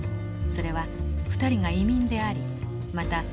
それは２人が移民でありまた